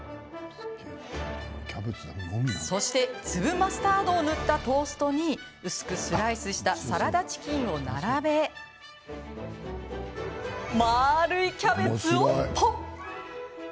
そして、粒マスタードを塗ったトーストに薄くスライスしたサラダチキンを並べ丸いキャベツを、ぽんっ。